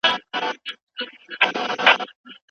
طبیعي خوب به راشي.